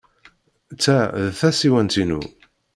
Ta d tasiwant-inu.